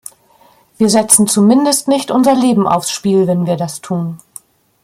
Wir setzen zumindest nicht unser Leben aufs Spiel, wenn wir das tun.